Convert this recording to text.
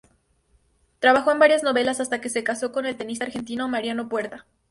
Trabajó en varias novelas hasta que se casó con el tenista argentino Mariano Puerta.